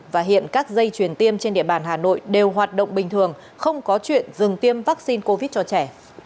và hiện các dây chuyển tiêm trên địa bàn hà nội đều hoạt động bình thường không có chuyện dừng tiêm vaccine covid cho trẻ